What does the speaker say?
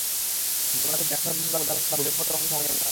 বর্তমানে খোদ ঢাকা শহরে বেশির ভাগ দালানকোঠা ভূমিকম্প তরঙ্গ সহনীয় নয়।